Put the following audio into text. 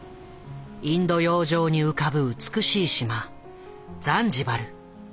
インド洋上に浮かぶ美しい島ザンジバル。